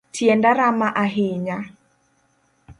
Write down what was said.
Tienda rama ahinya